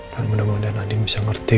dan mudah mudahan andi bisa ngerti